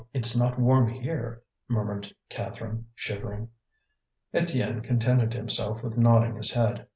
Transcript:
It's not warm here," murmured Catherine, shivering. Étienne contented himself with nodding his head.